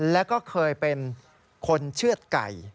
แล้วก็เคยเป็นคนเชื่อดไก่